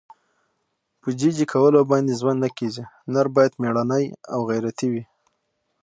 په جي جي کولو باندې ژوند نه کېږي. نر باید مېړنی او غیرتي وي.